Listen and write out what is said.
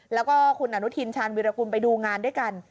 แล้วก็คุณอนุทินชาญวิรากุลไปดูงานด้วยกัน